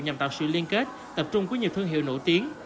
nhằm tạo sự liên kết tập trung của nhiều thương hiệu nổi tiếng